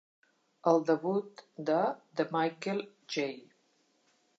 El debut de The Michael J.